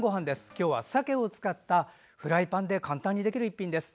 今日は、さけを使ったフライパンで簡単にできる一品です。